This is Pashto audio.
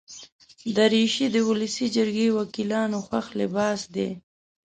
دریشي د ولسي جرګې وکیلانو خوښ لباس دی.